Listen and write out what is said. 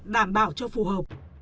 đảm bảo cho phù hợp